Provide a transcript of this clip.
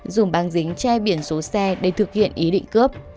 dùng băng dính che biển số xe để thực hiện ý định cướp